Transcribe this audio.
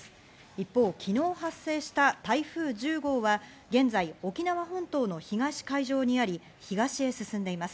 一方、昨日発生した台風１０号は、現在、沖縄本島の東海上にあり、東へ進んでいます。